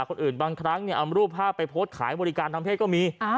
คนอื่นบางครั้งเอารูปภาพไปโพสต์ขายบริการทางเพศก็มี